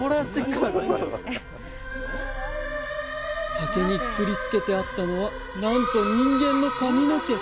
竹にくくりつけてあったのはなんと人間の髪の毛！